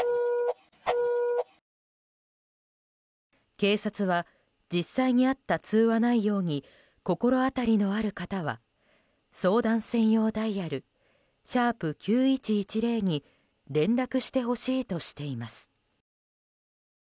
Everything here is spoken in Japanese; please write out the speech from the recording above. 警察は実際にあった通話内容に心当たりのある方は相談専用ダイヤル＃９１１０に連絡してほしいとしています。